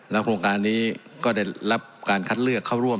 โครงการนี้ก็ได้รับการคัดเลือกเข้าร่วม